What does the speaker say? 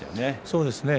そうですね。